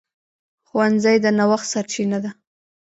ښوونځی د نوښت سرچینه ده